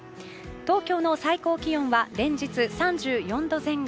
東京の最高気温は連日３４度前後。